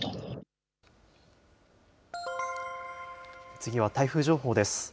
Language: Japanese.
次は台風情報です。